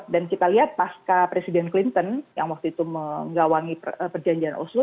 dan kita lihat pas presiden clinton yang waktu itu menggawangi perjanjian oslo